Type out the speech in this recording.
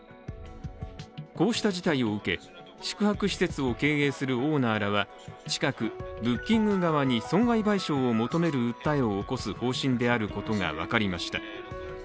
こうした事態を受け、宿泊施設を経営するオーナーらは近くＢｏｏｋｉｎｇ側に損害賠償を求める訴えを起こす方針であることが分かりました。